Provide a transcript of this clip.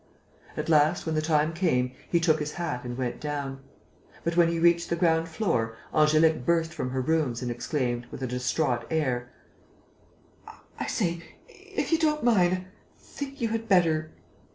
At last, when the time came, he took his hat and went down. But, when he reached the ground floor, Angélique burst from her rooms and exclaimed, with a distraught air: "I say ... if you don't mind ... I think you had better...."